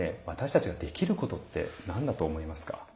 私たちができることって何だと思いますか？